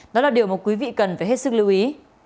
đó là điều mà quý vị cần phải hết sức lưu ý